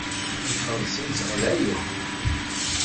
Nxelleṣ-itt ɣlayet.